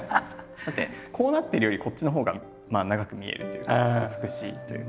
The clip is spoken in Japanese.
だってこうなってるよりこっちのほうが長く見えるというか美しいというか。